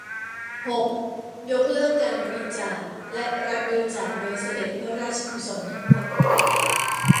หก ยกเลิกการบริจาคและรับบริจาคโดยเสด็จพระราชกุศลทั้งหมด